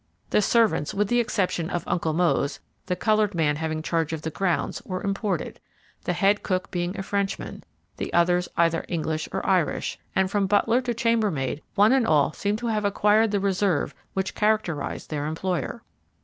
The servants, with the exception of "Uncle Mose," the colored man having charge of the grounds, were imported, the head cook being a Frenchman, the others either English or Irish, and, from butler to chambermaid, one and all seemed to have acquired the reserve which characterized their employer.